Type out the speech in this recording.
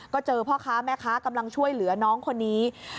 ก็เจอพ่อค้าแม่ค้ากำลังช่วยเหลือน้องคนนี้